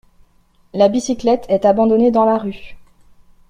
La bicyclette est abandonnée dans la rue.